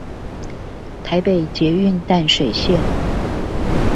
臺北捷運淡水線